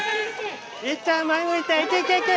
いっちゃん前向いていけいけいけ！